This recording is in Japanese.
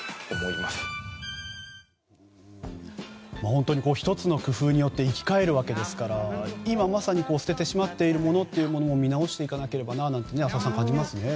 本当に１つの工夫によって生き返るわけですから今まさに捨ててしまっているものも見直していかなければなんて感じますよね。